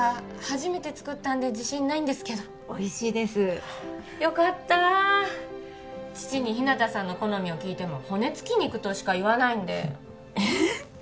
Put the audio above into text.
初めて作ったんで自信ないんですけどおいしいですよかった父に日向さんの好みを聞いても骨付き肉としか言わないんでえーっ？